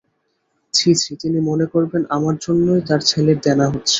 ছি ছি, তিনি মনে করবেন আমার জন্যই তাঁর ছেলের দেনা হচ্ছে।